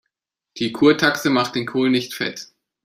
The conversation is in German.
Die Kurtaxe macht den Kohl nicht fett.